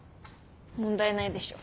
問題ないでしょ。